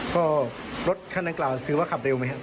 ก็รถคันดังกล่าวถือว่าขับเร็วไหมครับ